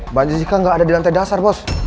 mbak jessica nggak ada di lantai dasar bos